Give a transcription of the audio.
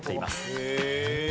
へえ。